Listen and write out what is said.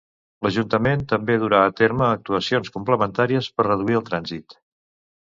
L'Ajuntament també durà a terme actuacions complementàries per reduir el trànsit.